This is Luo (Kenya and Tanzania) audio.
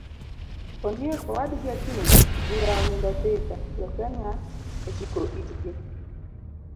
ondiek owadgi akinyi bura onindo thika, jokenya ochiko itgi